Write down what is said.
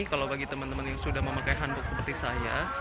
kalau bagi teman teman yang sudah memakai hanbook seperti saya